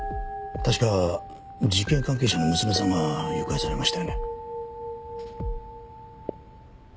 確か事件関係者の娘さんが誘拐されましたよね。